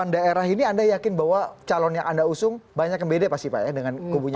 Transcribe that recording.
tujuh puluh delapan daerah ini anda yakin bahwa calon yang anda usung banyak yang beda dengan kubunya